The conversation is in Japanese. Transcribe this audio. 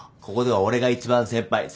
ここでは俺が一番先輩。